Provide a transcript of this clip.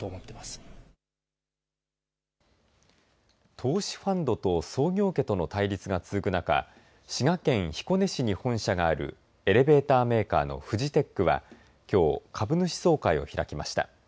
投資ファンドと創業家との対立が続く中滋賀県彦根市に本社があるエレベーターメーカーのフジテックはきょう、株主総会を開きました。